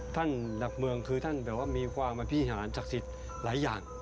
หลักเมืองคือท่านแบบว่ามีความอภิหารศักดิ์สิทธิ์หลายอย่าง